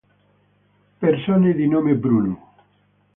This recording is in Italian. Persone di nome Bruno